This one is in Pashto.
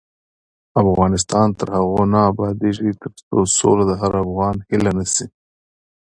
افغانستان تر هغو نه ابادیږي، ترڅو سوله د هر افغان هیله نشي.